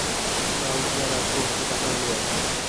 কাল কি আর আসব, হাতে টাকা হলেই আসব।